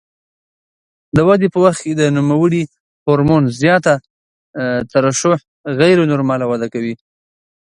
د ودې په وخت کې د نوموړي هورمون زیاته ترشح غیر نورماله وده کوي.